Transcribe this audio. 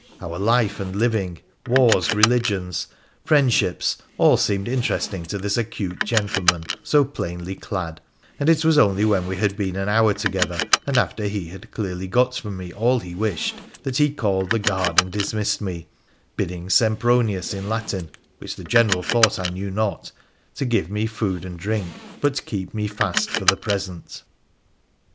Our life and living, wars, religions, friend ships, all seemed interesting to this acute gentleman so plainly clad, and it was only when we had been an hour together, and after he had clearly got from me all he wished, that he called the guard and dismissed me, bidding Sempronius in Latin, which the General thought I knew not, to give me food and drink, but keep me fast for the present.